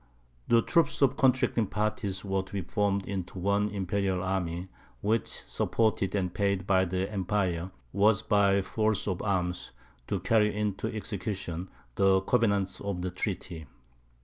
The troops of the contracting parties were to be formed into one imperial army, which, supported and paid by the Empire, was, by force of arms, to carry into execution the covenants of the treaty.